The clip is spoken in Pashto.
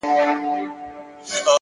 ریښتینی ځواک له دننه راپورته کېږي